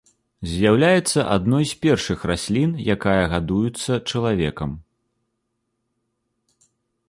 З'яўляецца адной з першых раслін, якая гадуюцца чалавекам.